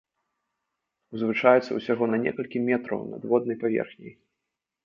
Узвышаюцца ўсяго на некалькі метраў над воднай паверхняй.